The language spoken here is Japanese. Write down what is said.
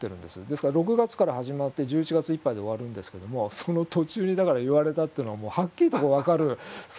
ですから６月から始まって１１月いっぱいで終わるんですけどもその途中にだから言われたっていうのがはっきりと分かるそういう庭園でして。